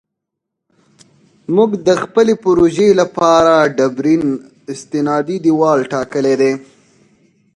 موږ د خپلې پروژې لپاره ډبرین استنادي دیوال ټاکلی دی